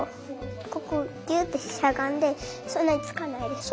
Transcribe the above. ここギュってしゃがんでそんなにつかないでしょ。